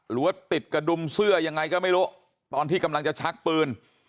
หรือว่าติดกระดุมเสื้อยังไงก็ไม่รู้ตอนที่กำลังจะชักปืน